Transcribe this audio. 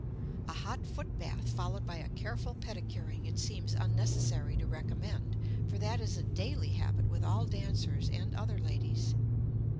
A hot foot bath followed by a careful pedicuring it seems unnecessary to recommend, for that is a daily habit with all dancers and other ladies.